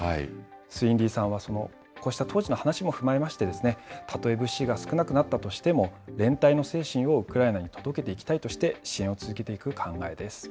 スウィンリーさんはこうした当時の話も踏まえまして、たとえ物資が少なくなったとしても、連帯の精神をウクライナに届けていきたいとして、支援を続けていく考えです。